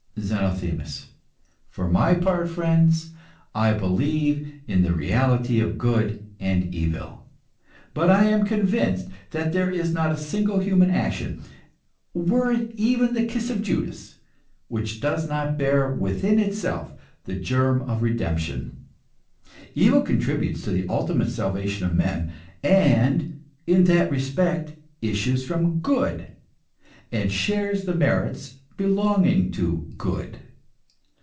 ZENOTHEMIS. For my part, friends, I believe in the reality of good and evil. But I am convinced that there is not a single human action were it even the kiss of Judas which does not bear within itself the germ of redemption. Evil contributes to the ultimate salvation of men, and, in that respect issues from Good, and shares the merits belonging to Good.